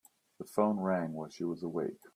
The phone rang while she was awake.